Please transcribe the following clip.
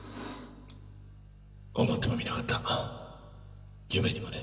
思ってもみなかった夢にもね。